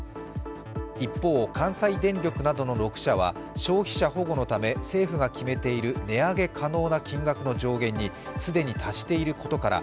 一方、関西電力などの６社は消費者保護のため政府が決めている値上げ可能な金額の上限に既に達していることから